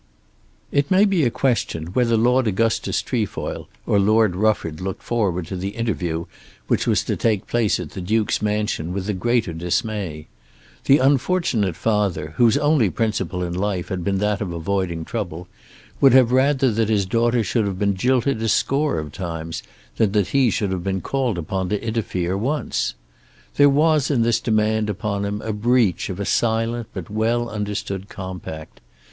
It may be a question whether Lord Augustus Trefoil or Lord Rufford looked forward to the interview which was to take place at the Duke's mansion with the greater dismay. The unfortunate father whose only principle in life had been that of avoiding trouble would have rather that his daughter should have been jilted a score of times than that he should have been called upon to interfere once. There was in this demand upon him a breach of a silent but well understood compact.